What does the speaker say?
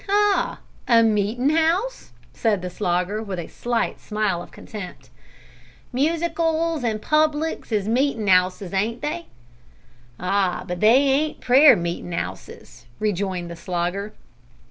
"Ah! a meetin' 'ouse'?" said the Slogger, with a slight smile of contempt. "Music 'alls and publics is meetin' 'ouses, ain't they?" "Ah, but they ain't prayer meetin' 'ouses," rejoined the Slogger.